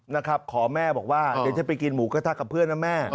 นะครับขอแม่บอกว่าเดี๋ยวจะไปกินหมูกระทะกับเพื่อนนะแม่